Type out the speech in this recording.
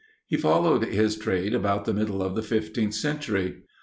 He followed his trade about the middle of the fifteenth century.